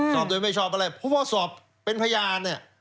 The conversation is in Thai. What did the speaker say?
สอบโดยไม่ชอบอะไรเพราะว่าสอบเป็นพยานเนี่ย